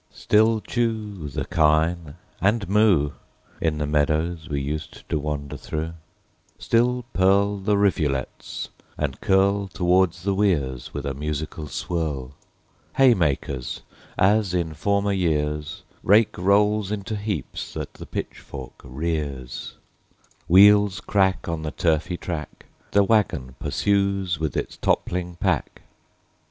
Still chew The kine, and moo In the meadows we used to wander through; Still purl The rivulets and curl Towards the weirs with a musical swirl; Haymakers As in former years Rake rolls into heaps that the pitchfork rears; Wheels crack On the turfy track The waggon pursues with its toppling pack.